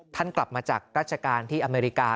กลับมาจากราชการที่อเมริกา